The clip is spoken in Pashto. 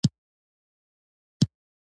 د دوکې کار مه کوه.